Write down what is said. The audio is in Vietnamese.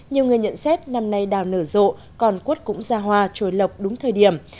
nhiều người nhận xét năm nay đào nở rộ còn quất cũng ra hoa trồi lộc đúng thời điểm